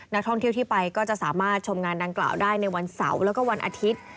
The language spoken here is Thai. นักท่องเที่ยวที่ไปก็จะสามารถชมงานดังกล่าวได้ในวันเสาร์แล้วก็วันอาทิตย์